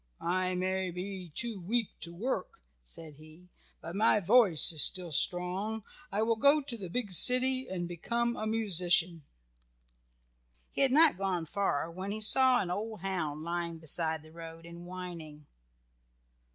"I may be too weak to work," said he, "but my voice is still strong. I will go to the big city and become a musician." He had not gone far when he saw an old hound lying beside the road and whining.